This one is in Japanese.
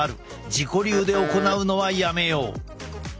自己流で行うのはやめよう。